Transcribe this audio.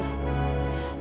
situ yang saya inginkan adalah